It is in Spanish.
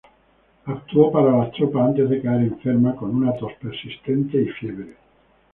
Actuó para las tropas antes de caer enferma con una tos persistente y fiebre.